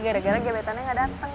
gara gara gebetannya gak dateng